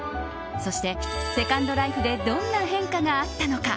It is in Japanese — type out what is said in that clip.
そして、セカンドライフでどんな変化があったのか。